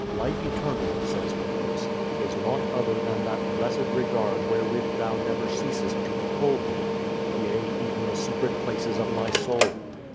Life eternal, says Nicholas, is "nought other than that blessed regard wherewith Thou never ceasest to behold me, yea, even the secret places of my soul.